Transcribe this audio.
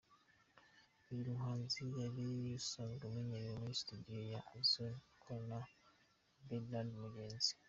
Uyu muhanzi yari asanzwe amenyerewe muri Studio ya The Zone akorana na Bernard Bagenzi.